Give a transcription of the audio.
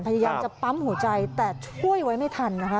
พยายามจะปั๊มหัวใจแต่ช่วยไว้ไม่ทันนะคะ